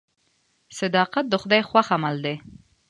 صداقت د خدای خوښ عمل دی.